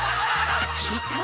聞いた？